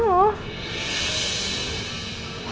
ini bukan urusan lo